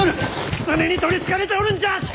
狐に取りつかれておるんじゃ！